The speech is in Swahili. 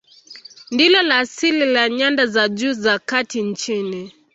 Ndilo la asili la nyanda za juu za kati nchini.